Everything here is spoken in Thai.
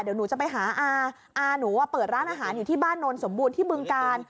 เดี๋ยวหนูจะไปหาอาหนูเปิดร้านอาหารอยู่ที่บ้านโนนสมบูรณ์ที่บึงกาล